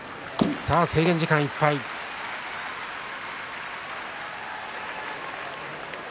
制限時間いっぱいです。